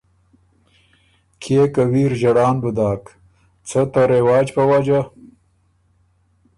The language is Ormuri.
کيې که ویر ݫړان بُو داک، څه ته رواج په وجه